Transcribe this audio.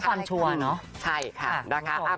เพราะความชัวร์เนาะ